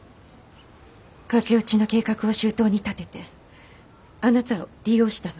駆け落ちの計画を周到に立ててあなたを利用したの。